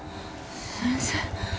先生？